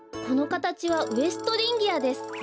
このかたちはウエストリンギアです。